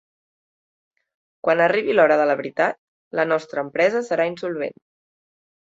Quan arribi l'hora de la veritat, la nostra empresa serà insolvent.